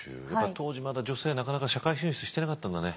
当時まだ女性なかなか社会進出してなかったんだね。